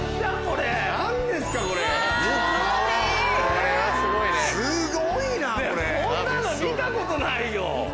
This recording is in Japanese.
こんなの見たことないよ！